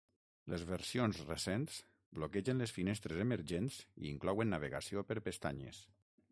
Les versions recents bloquegen les finestres emergents i inclouen navegació per pestanyes.